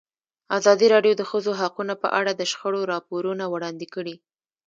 ازادي راډیو د د ښځو حقونه په اړه د شخړو راپورونه وړاندې کړي.